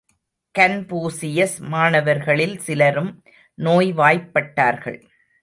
Confucius மாணவர்களில் சிலரும் நோய்வாய்ப்பட்டார்கள்.